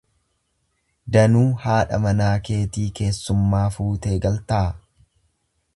Danuu haadha manaa keetii keessummaa fuutee galtaa?